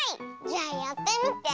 じゃあやってみて。